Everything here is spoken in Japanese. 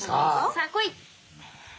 さあこい！